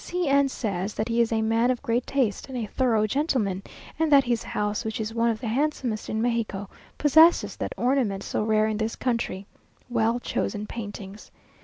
C n says that he is a man of great taste and a thorough gentleman, and that his house, which is one of the handsomest in Mexico, possesses that ornament so rare in this country well chosen paintings.